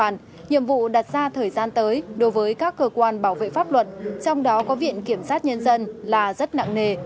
nhiệm vụ đặt ra thời gian tới đối với các cơ quan bảo vệ pháp luật trong đó có viện kiểm sát nhân dân là rất nặng nề